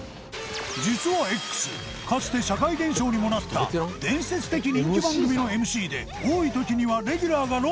実は Ｘ かつて社会現象にもなった伝説的人気番組の ＭＣ で多い時にはレギュラーが６本